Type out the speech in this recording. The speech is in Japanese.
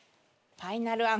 ファイナルアンサー！